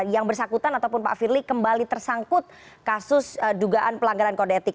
yang bersangkutan ataupun pak firly kembali tersangkut kasus dugaan pelanggaran kode etik